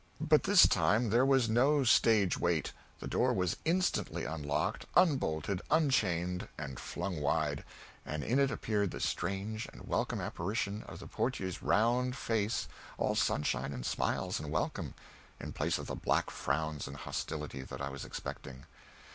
But this time there was no stage wait; the door was instantly unlocked, unbolted, unchained and flung wide; and in it appeared the strange and welcome apparition of the portier's round face all sunshine and smiles and welcome, in place of the black frowns and hostility that I was expecting.